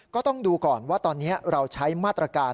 ก็ต้องดูก่อนว่าตอนนี้เราใช้มาตรการ